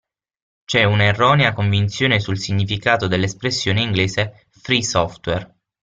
C'è un'erronea convinzione sul significato dell'espressione inglese "Free Software".